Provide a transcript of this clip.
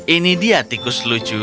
ini dia tikus lucu